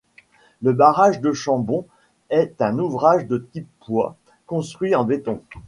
Le barrage du Chambon est un ouvrage de type poids, construit en béton.